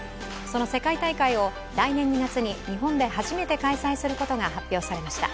その世界大会を来年２月に日本で初めて開催することが発表されました。